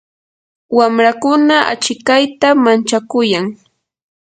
wamrakuna achikayta manchakuyan.